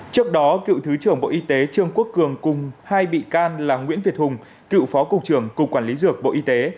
trước đó cựu thứ trưởng bộ y tế trương quốc cường cùng hai bị can là nguyễn việt hùng cựu phó cục trưởng cục quản lý dược bộ y tế